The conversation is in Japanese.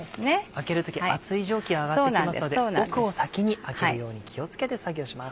開ける時熱い蒸気上がってきますので奥を先に開けるように気を付けて作業します。